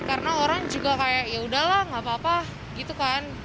karena orang juga kayak yaudahlah nggak apa apa gitu kan